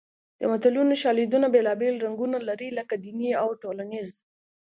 د متلونو شالیدونه بېلابېل رنګونه لري لکه دیني او ټولنیز